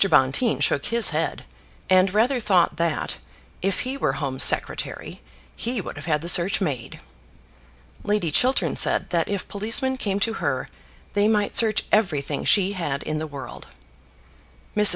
Bonteen shook his head, and rather thought that, if he were Home Secretary, he would have had the search made. Lady Chiltern said that if policemen came to her, they might search everything she had in the world. Mrs.